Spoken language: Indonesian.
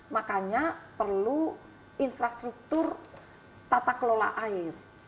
makanya perlu infrastruktur tata kelola air